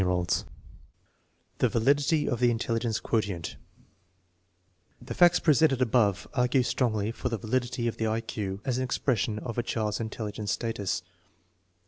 68 THE MEASUREMENT OF INTELLIGENCE The validity of the intelligence quotient The facts presented above argue strongly for the validity of the I Q as an expression of a child's intelligence status.